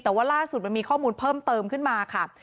แต่ว่าล่าสุดมันมีข้อมูลเพิ่มเติมขึ้นมาค่ะ